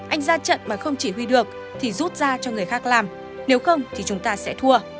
anh ra trận mà không chỉ huy được thì rút ra cho người khác làm nếu không thì chúng ta sẽ thua